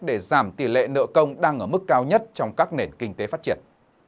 để giảm tỷ lệ nợ công đang ở mức cao nhất trong các nền kinh tế phát triển